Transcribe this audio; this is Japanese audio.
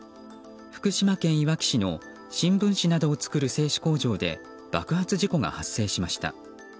福島県いわき市の新聞紙などを作る製紙工場で爆発事故が発生しました。